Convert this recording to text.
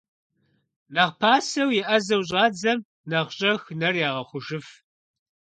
Нэхъ пасэу еӀэзэу щӀадзэм, нэхъ щӀэх нэр ягъэхъужыф.